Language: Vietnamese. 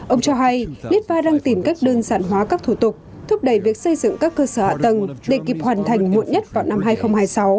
ông cho hay litva đang tìm cách đơn giản hóa các thủ tục thúc đẩy việc xây dựng các cơ sở hạ tầng để kịp hoàn thành muộn nhất vào năm hai nghìn hai mươi sáu